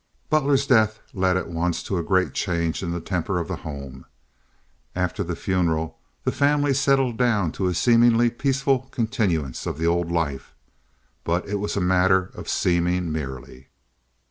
Butler's death led at once to a great change in the temper of the home. After the funeral the family settled down to a seemingly peaceful continuance of the old life; but it was a matter of seeming merely.